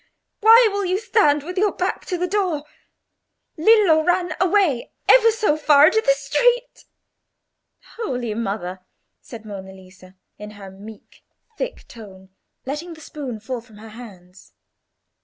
Why will you stand with your back to the door? Lillo ran away ever so far into the street." "Holy Mother!" said Monna Lisa, in her meek, thick tone, letting the spoon fall from her hands.